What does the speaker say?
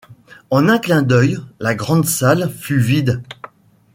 En un clin d’œil la grand’salle fut vide.